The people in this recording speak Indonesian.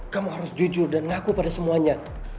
kamu harus jujur dan ngaku pada semuanya